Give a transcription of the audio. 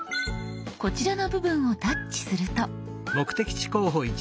こちらの部分をタッチすると。